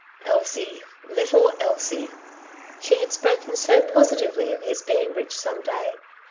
Elsie, little Elsie ! She had spoken so positively of his being rich some day.